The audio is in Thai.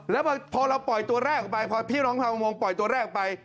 แต่ละตัวแล้วพอเราปล่อยตัวแรกไป